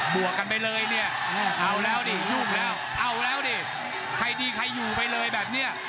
วกกันไปเลยเนี่ยเอาแล้วดิยุ่งแล้วเอาแล้วดิใครดีใครอยู่ไปเลยแบบนี้